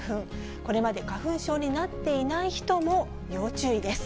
これまで花粉症になっていない人も要注意です。